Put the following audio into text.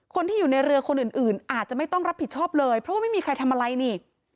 คนที่อยู่ในเรือคนอื่นอื่นอาจจะไม่ต้องรับผิดชอบเลยเพราะว่าไม่มีใครทำอะไรนี่